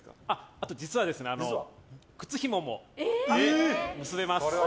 あと実は靴ひもも結べます。